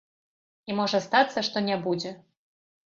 І можа стацца, што не будзе.